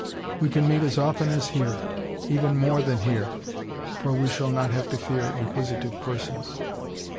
We can meet as often as here, even more than here, for we shall not have to fear inquisitive persons."